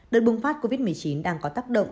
đợt bùng phát covid một mươi chín đang có tác động